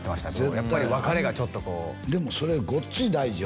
やっぱり別れがちょっとこうでもそれごっつい大事よ